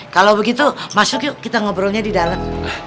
kalau begitu masuk yuk kita ngobrolnya di dalam